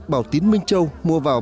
bảo tín minh châu mua vào